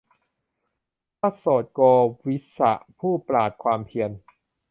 พระโสณโกฬิวิสะ ผู้ปรารภความเพียร